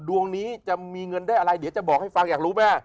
ดวงนี้จะมีเงินได้อะไรเดี๋ยวจะบอกให้ฟังอยากรู้แม่